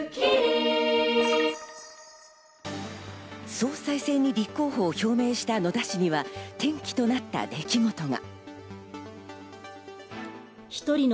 総裁選に立候補を表明した野田氏には、転機となった出来事が。